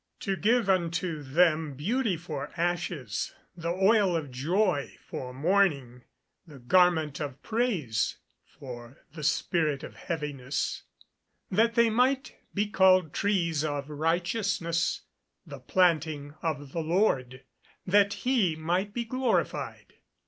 [Verse: "To give unto them beauty for ashes, the oil of joy for mourning, the garment of praise for the spirit of heaviness; that they might be called Trees of righteousness, The planting of the Lord, that he might be glorified."